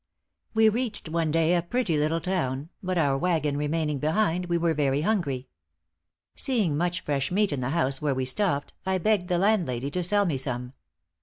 "We reached one day a pretty little town; but our wagon remaining behind, we were very hungry. Seeing much fresh meat in the house where we stopped, I begged the landlady to sell me some.